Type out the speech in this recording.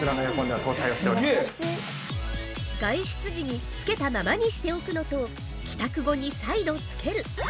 ◆外出時につけたままにしておくのと、帰宅後に再度つける。